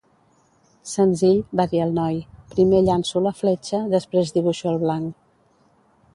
"Senzill" va dir el noi, "primer llanço la fletxa, després dibuixo el blanc".